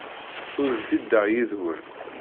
Ur bdideɣ yid-wen.